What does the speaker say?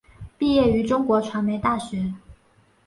毕业于中国传媒大学。